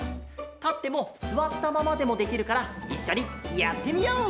たってもすわったままでもできるからいっしょにやってみよう！